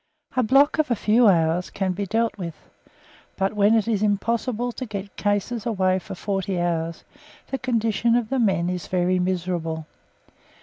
A block of a few hours can be dealt with, but when it is impossible to get cases away for forty hours the condition of the men is very miserable.